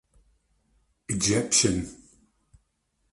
Egyptian.